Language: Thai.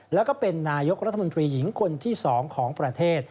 แล้วก็เป็นนายกรัฐมนตรีหญิงคนที่๒ของประเทศ